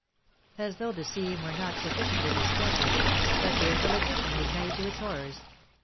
As though the scene were not sufficiently distressing, a fearful addition was made to its horrors.